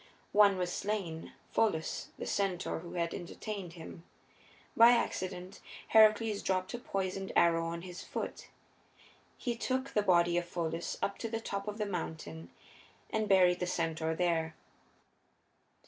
One was slain, Pholus, the centaur who had entertained him. By accident Heracles dropped a poisoned arrow on his foot. He took the body of Pholus up to the top of the mountain and buried the centaur there.